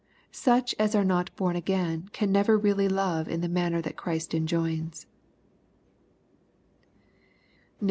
Such as are not bom again can never really love in the manner that Christ enjoins.